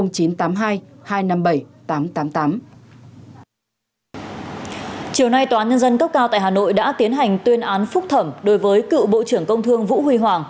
chiều nay tòa án nhân dân cấp cao tại hà nội đã tiến hành tuyên án phúc thẩm đối với cựu bộ trưởng công thương vũ huy hoàng